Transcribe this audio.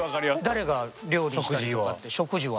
誰が料理したりとかって食事は。